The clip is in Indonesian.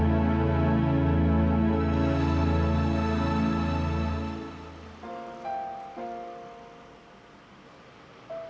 kamu adalah anak papa